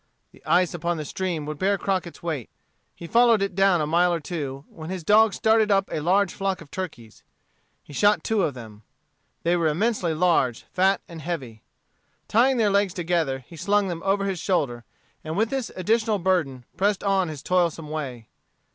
The ice upon the stream would bear Crockett's weight. He followed it down a mile or two, when his dogs started up a large flock of turkeys. He shot two of them. They were immensely large, fat, and heavy. Tying their legs together, he slung them over his shoulder, and with this additional burden pressed on his toilsome way.